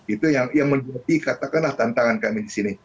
itu yang menjadi katakanlah tantangan kami di sini